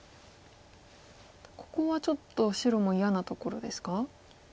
ここはちょっと白も嫌なところですか？